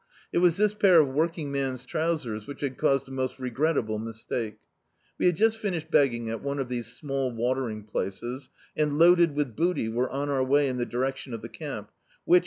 It was this pair of work ing man's trousers which had caused a most regret table mistake. We had just finished begging at one of these small watering places and, loaded with booty, were on our way in the direction of the camp whidi.